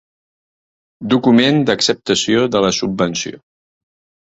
Document d'acceptació de la subvenció.